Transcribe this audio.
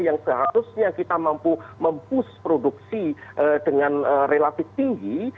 yang seharusnya kita mampu mempush produksi dengan relatif tinggi